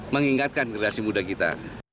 mengingatkan generasi muda kita